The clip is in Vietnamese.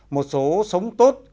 một số sống tốt